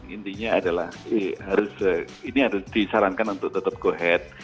intinya adalah ini harus disarankan untuk tetap go head